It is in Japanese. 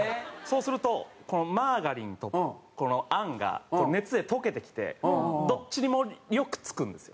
そうするとマーガリンとこのあんが熱で溶けてきてどっちにもよく付くんですよ。